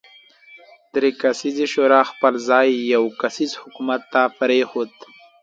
درې کسیزې شورا خپل ځای یو کسیز حکومت ته پرېښود.